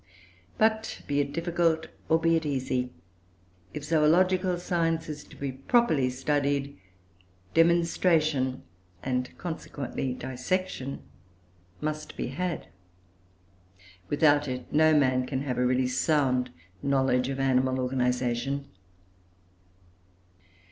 But, be it difficult or be it easy, if zoological science is to be properly studied, demonstration, and, consequently, dissection, must be had. Without it, no man can have a really sound knowledge of animal organisation.